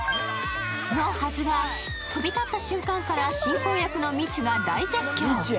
のはずが、飛び立った瞬間から進行役のみちゅが大絶叫。